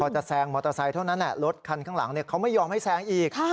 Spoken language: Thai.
จะแซงมอเตอร์ไซค์เท่านั้นรถคันข้างหลังเขาไม่ยอมให้แซงอีก